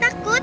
pak rt takut